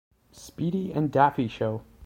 Speedy and Daffy Show.